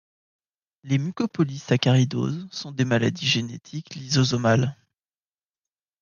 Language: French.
Les mucopolysaccharidoses sont des maladies génétiques lysosomales.